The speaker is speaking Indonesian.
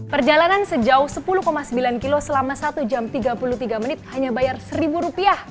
perjalanan sejauh sepuluh sembilan kilo selama satu jam tiga puluh tiga menit hanya bayar rp satu